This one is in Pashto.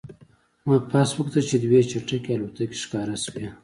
ما پاس وکتل چې دوې چټکې الوتکې ښکاره شوې